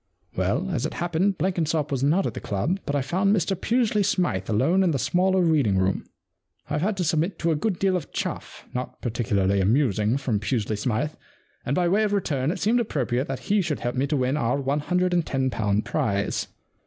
* Well, as it happened, Blenkinsop was not at the club, but I found Mr Pusely Smythe alone in the smaller reading room, p.c. 77 F The Problem Club I've had to submit to a good deal of chafF — not particularly amusing — from Pusely Smythe, and by way of return it seemed appropriate that he should help me to win our one hundred and ten pound prize.